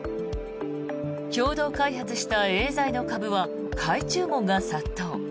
共同開発したエーザイの株は買い注文が殺到。